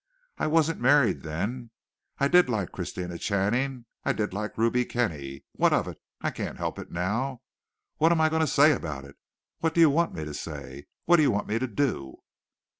"I wasn't married then. I did like Christina Channing; I did like Ruby Kenny. What of it? I can't help it now. What am I going to say about it? What do you want me to say? What do you want me to do?"